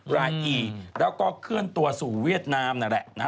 รายอีแล้วก็เคลื่อนตัวสู่เวียดนามนั่นแหละ